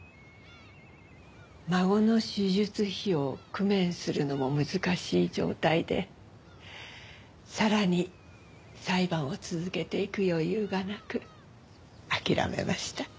孫の手術費用を工面するのも難しい状態でさらに裁判を続けていく余裕がなく諦めました。